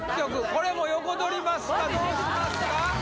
これも横取りますかどうしますかマジ？